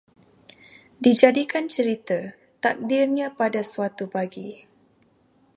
Dijadikan cerita, takdirnya pada suatu pagi